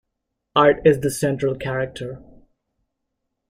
Art is the central character.